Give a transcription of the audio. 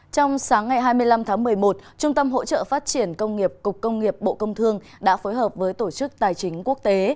trong sáng ngày hai mươi năm tháng một mươi một trung tâm hỗ trợ phát triển công nghiệp cục công nghiệp bộ công thương đã phối hợp với tổ chức tài chính quốc tế